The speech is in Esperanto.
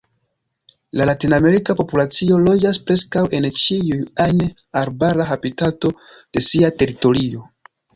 La latinamerika populacio loĝas preskaŭ en ĉiuj ajn arbara habitato de sia teritorio.